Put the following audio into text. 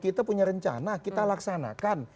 kita punya rencana kita laksanakan